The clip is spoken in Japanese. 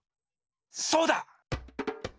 そうだ！